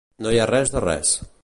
No hi ha res de res.